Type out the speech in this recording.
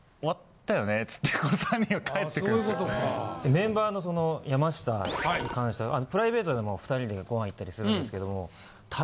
メンバーの山下に関してはプライベートでも２人でご飯いったりするんですけども。